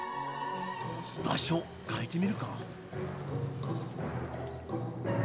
場所変えてみるか。